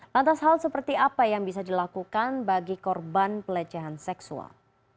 lantas hal seperti apa yang bisa dilakukan bagi korban pelecehan seksual